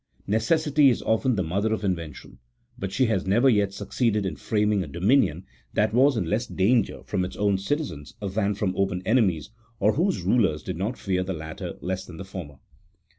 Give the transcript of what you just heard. Necessity is often the mother of invention, but she has never yet succeeded in framing a dominion that was in less danger from its own citizens than from open enemies, or whose rulers did not fear the latter less than the former.